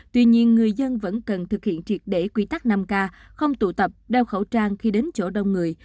tuy nhiên người dân vẫn cần thực hiện triệt để quy tắc năm k không tụ tập đeo khẩu trang khi đến chỗ đông người